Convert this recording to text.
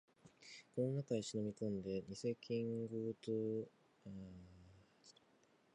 この中へしのびこんで、にせ黄金塔にもまよわされず、ほんものの宝物をぬすむことができるとすれば、二十面相は、もう魔法使いどころではありません。